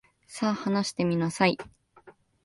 さ、話してみなさい。